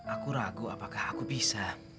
aku ragu apakah aku bisa